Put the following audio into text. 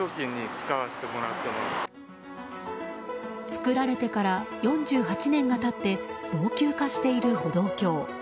作られてから４８年が経って老朽化している歩道橋。